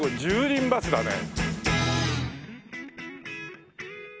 輪バスだね。